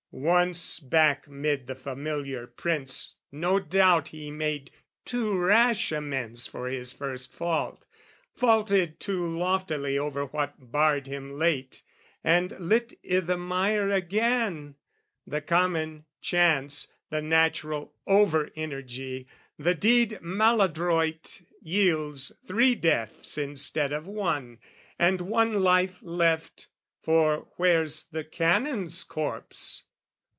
Once back 'mid the familiar prints, no doubt He made too rash amends for his first fault, Vaulted too loftily over what barred him late, And lit i' the mire again, the common chance, The natural over energy: the deed Maladroit yields three deaths instead of one, And one life left: for where's the Canon's corpse?